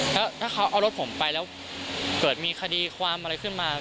แล้วถ้าเขาเอารถผมไปแล้วเกิดมีคดีความอะไรขึ้นมา